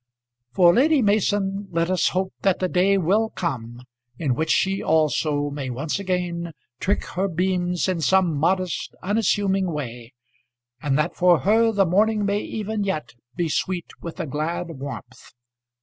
For Lady Mason let us hope that the day will come in which she also may once again trick her beams in some modest, unassuming way, and that for her the morning may even yet be sweet with a glad warmth.